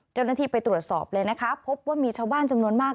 เจ้าหน้าที่ไปตรวจสอบเลยนะคะพบว่ามีชาวบ้านจำนวนมาก